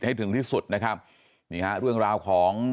ให้ถึงที่สุดนี่ฮะเรื่องราวของ